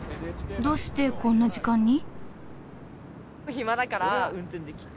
どうしてこんな時間に？